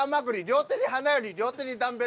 両手に花より両手にダンベル。